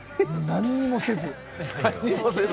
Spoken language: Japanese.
何もせず。